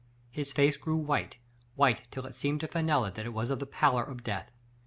His face grew white — white till it seemed to Fenella that it was of the pallor of death.